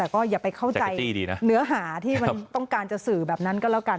ก็อย่าไปเข้าใจเนื้อหาที่มันต้องการจะสื่อแบบนั้นก็แล้วกัน